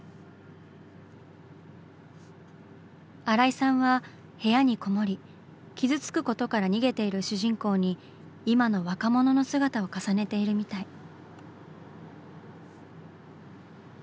新井さんは部屋にこもり傷つくことから逃げている主人公に今の若者の姿を重ねているみたい。